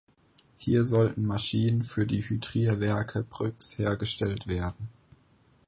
Hier sollten Maschinen für die Hydrierwerke Brüx hergestellt werden.